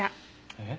えっ？